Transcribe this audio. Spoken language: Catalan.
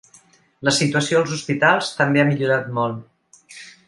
La situació als hospitals també ha millorat molt.